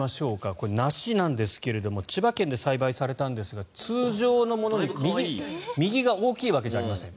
これ、梨なんですが千葉県で栽培されたんですが通常のものより右が大きいわけじゃありません。